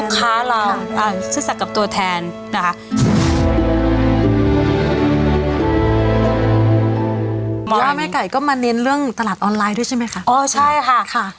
คือค้าร้านลูกค้า